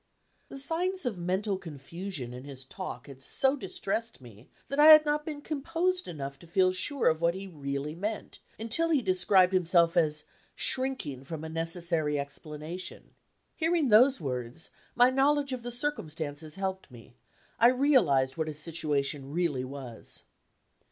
The signs of mental confusion in his talk had so distressed me, that I had not been composed enough to feel sure of what he really meant, until he described himself as "shrinking from a necessary explanation." Hearing those words, my knowledge of the circumstances helped me; I realized what his situation really was.